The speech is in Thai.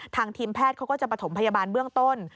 ทีมแพทย์เขาก็จะประถมพยาบาลเบื้องต้น